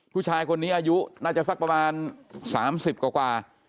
ผู้ชายคนนี้อายุน่าจะสักประมาณ๓๐กว่า